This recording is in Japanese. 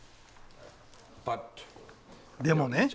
でもね